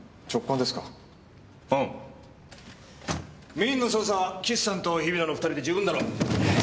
メーンの捜査は岸さんと日比野の２人で十分だろう。